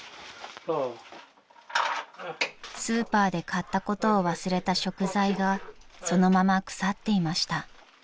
［スーパーで買ったことを忘れた食材がそのまま腐っていました］